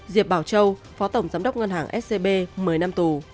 diệp bảo châu phó tổng giám đốc ngân hàng scb một mươi năm tù